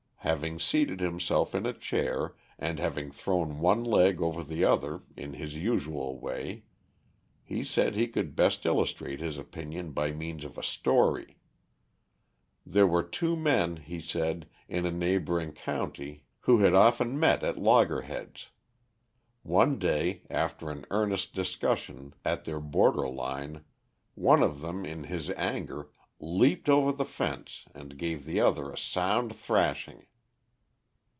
Having seated himself in a chair, and having thrown one leg over the other in his usual way, he said he could best illustrate his opinion by means of a story. There were two men, he said, in a neighboring county, who had often met at "logger heads". One day, after an earnest discussion at their border line, one of them, in his anger, leaped over the fence and gave the other a sound thrashing.